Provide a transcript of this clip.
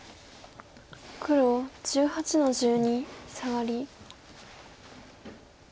黒１８の十二サガリ。